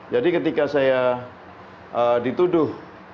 jadi ketika saya dituduh